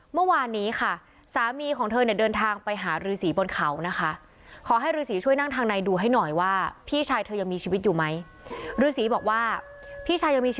เมื่อวานนี้ค่ะสามีของเธอเนี่ยเดินทางไปหารือสีบนเขานะคะขอให้รือสีช่วยนั่งทางในดูให้หน่อยว่าพี่ชายเธอยังมีชีวิตอยู่ไหม